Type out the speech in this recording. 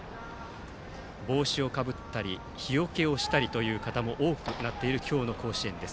帽子をかぶったり日よけをしたりという方も多くなっている今日の甲子園。